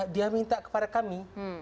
dia minta kepada kami